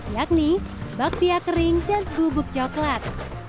yakni bakpia kering dan bubuk coklat